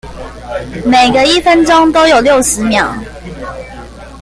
每個一分鐘都有六十秒